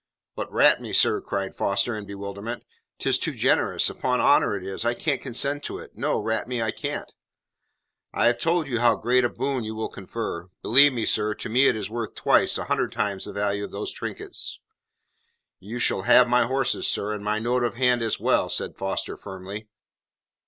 "But, rat me, sir," cried Foster in bewilderment, "tis too generous 'pon honour it is. I can't consent to it. No, rat me, I can't." "I have told you how great a boon you will confer. Believe me, sir, to me it is worth twice, a hundred times the value of those trinkets." "You shall have my horses, sir, and my note of hand as well," said Foster firmly.